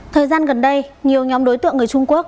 thời gian gần đây nhiều nhóm đối tượng người trung quốc